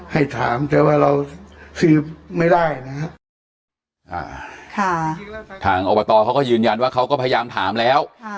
ให้ถามแต่ว่าเราสืบไม่ได้นะครับทางอบตเขาก็ยืนยันว่าเขาก็พยายามถามแล้ว